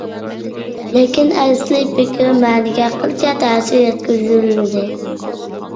لېكىن، ئەسلىي پىكىر، مەنىگە قىلچە تەسىر يەتكۈزۈلمىدى.